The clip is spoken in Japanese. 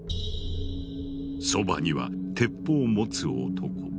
そばには鉄砲を持つ男。